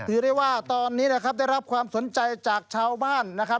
ถือได้ว่าตอนนี้นะครับได้รับความสนใจจากชาวบ้านนะครับ